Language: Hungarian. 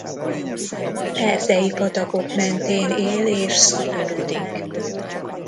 Erdei patakok mentén él és szaporodik.